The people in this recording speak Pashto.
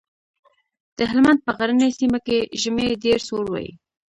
د هلمند په غرنۍ سيمه کې ژمی ډېر سوړ وي.